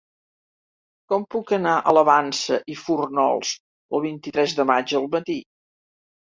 Com puc anar a la Vansa i Fórnols el vint-i-tres de maig al matí?